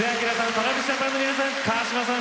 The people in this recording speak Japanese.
ＴｒａｖｉｓＪａｐａｎの皆さん川島さん